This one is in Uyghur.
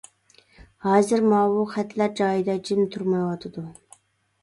ھازىر ماۋۇ خەتلەر جايىدا جىم تۇرمايۋاتىدۇ.